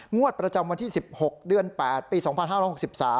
งวดประจำวันที่๑๖เดือน๘ปี๒๕๖๓